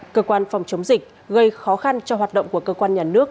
cơ quan phòng chống dịch gây khó khăn cho hoạt động của cơ quan nhà nước